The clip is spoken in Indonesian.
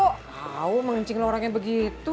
tau ngingcing orangnya begitu